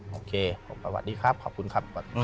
โอเคสวัสดีครับขอบคุณครับ